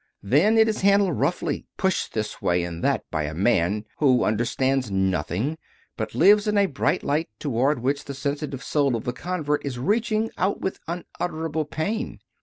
Then it is handled roughly, pushed this way and that by a man who under stands nothing, who lives in a bright light toward which the sensitive soul of the convert is reaching out with unutterable pain.